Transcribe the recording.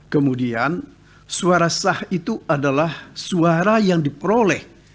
kemudian suara sah itu adalah suara yang diperoleh